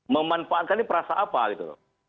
memanfaatkan ini perasa apa gitu loh